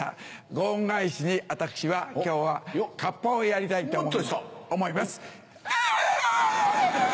ご恩返しに私は今日はかっぱをやりたいと思います。